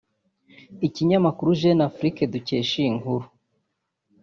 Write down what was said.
Ikinyamakuru Jeune Afrique dukesha iyi nkuru